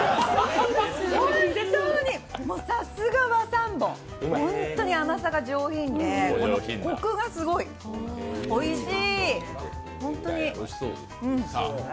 本当に、さすが和三盆ホントに甘さが上品でコクがすごい、おいしい、ホントに。